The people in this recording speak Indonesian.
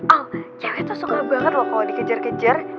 al cewek tuh suka banget loh kalo dikejar kejar